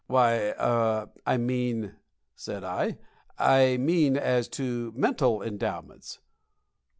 "Why er I mean," said I "I mean as to mental endowments."